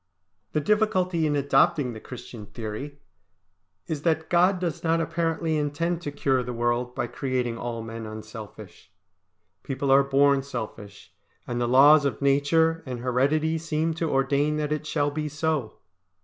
The difficulty in adopting the Christian theory is that God does not apparently intend to cure the world by creating all men unselfish. People are born selfish, and the laws of nature and heredity seem to ordain that it shall be so.